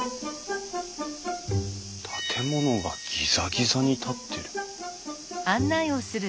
建物がギザギザに立ってる。